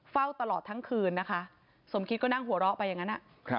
เฝ้าตลอดทั้งคืนนะคะสมคิดก็นั่งหัวเราะไปอย่างนั้น